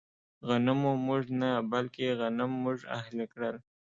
غنمو موږ نه، بلکې غنم موږ اهلي کړل.